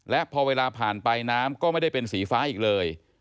และพอเวลาผ่านไปน้ำก็ไม่ได้เป็นสีฟ้าอีกเลย